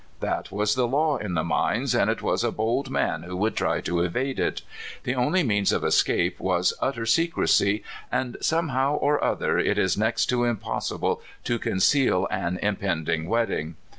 That was the law in the mines, and it was a bold man who would try to evade it. The only means of escape was utter secrec}', and somehow or other it is next to impossible to conceal an im pending wedding.